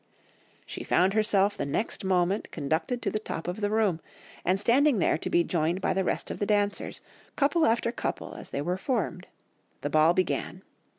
"She found herself the next moment conducted to the top of the room, and standing there to be joined by the rest of the dancers, couple after couple as they were formed.... The ball began.